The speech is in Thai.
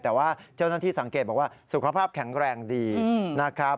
แต่ว่าเจ้าหน้าที่สังเกตบอกว่าสุขภาพแข็งแรงดีนะครับ